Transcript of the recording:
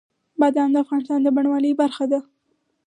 بادام د افغانستان د بڼوالۍ برخه ده.